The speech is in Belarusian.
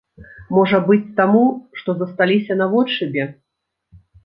Можа быць, таму, што засталіся наводшыбе?